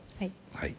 はい。